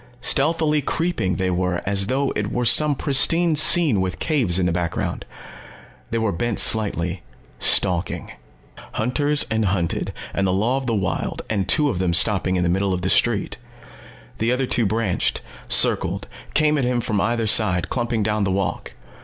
Stealthily creeping, they were, as though it were some pristine scene with caves in the background. They were bent slightly, stalking. Hunters and hunted, and the law of the wild and two of them stopping in the middle of the street. The other two branched, circled, came at him from either side, clumping down the walk.